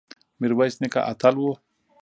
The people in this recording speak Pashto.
میرویس نیکه اتل و